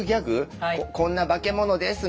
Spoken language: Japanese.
「こんな化け物です」